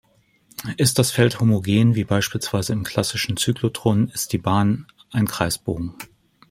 Ist das Feld homogen wie beispielsweise im klassischen Zyklotron, ist die Bahn ein Kreisbogen.